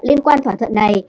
liên quan thỏa thuận này